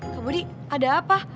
kak budi ada apa